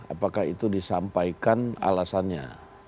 apakah itu disampaikan alasannya